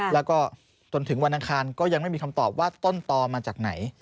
แล้วก็จนถึงวันอังคารก็ยังไม่มีคำตอบว่าต้นตอมาจากไหน